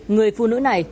người phụ nữ này